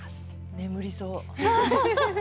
眠りそう。